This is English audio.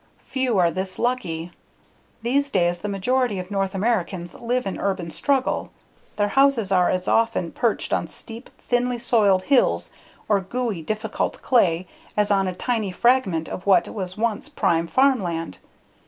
Few are this lucky. These days the majority of North Americans live an urban struggle. Their houses are as often perched on steep, thinly soiled hills or gooey, difficult clay as on a tiny fragment of what was once prime farmland.